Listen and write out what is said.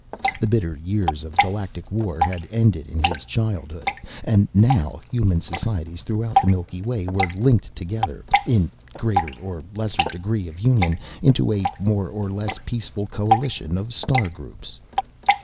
The bitter years of galactic war had ended in his childhood, and now human societies throughout the Milky Way were linked together—in greater or lesser degree of union—into a more or less peaceful coalition of star groups.